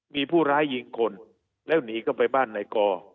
มีผู้ร้ายยิงคนแล้วหนีเข้าไปบ้านในกอ